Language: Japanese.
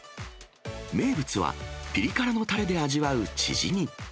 名物は、ピリ辛のたれで味わうチヂミ。